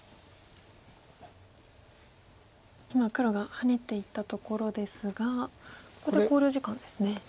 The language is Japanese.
今黒がハネていったところですがここで考慮時間ですね。